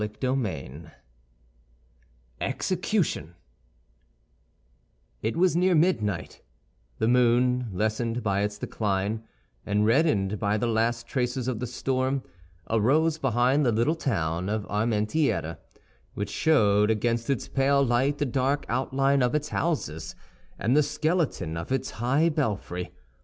Chapter LXVI. EXECUTION It was near midnight; the moon, lessened by its decline, and reddened by the last traces of the storm, arose behind the little town of Armentières, which showed against its pale light the dark outline of its houses, and the skeleton of its high belfry.